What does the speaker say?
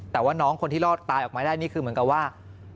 แต่ว่าน้องคนที่รอดตายออกมาได้นี่คือเหมือนกับว่า